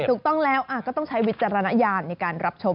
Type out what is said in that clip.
ถูกต้องแล้วก็ต้องใช้วิจารณญาณในการรับชม